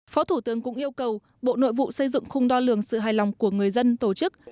phó thủ tướng cũng yêu cầu bộ nội vụ xây dựng khung đo lường sự hài lòng của người dân tổ chức